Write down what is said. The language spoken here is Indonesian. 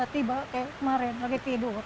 tiba kayak kemarin lagi tidur